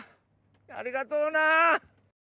ありがとうな。